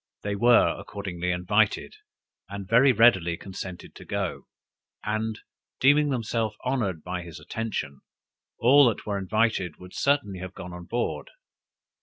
They were accordingly invited, and very readily consented to go: and deeming themselves honored by his attention, all that were invited, would certainly have gone on board.